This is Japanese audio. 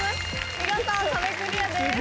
見事壁クリアです。